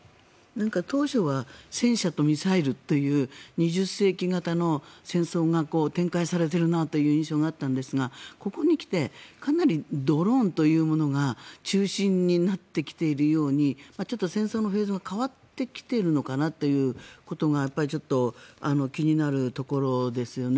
当初は戦車とミサイルという２０世紀型の戦争が展開されている印象があったんですがここに来てかなりドローンというものが中心になってきているようにちょっと戦争のフェーズが変わってきているのかなということがちょっと気になるところですよね。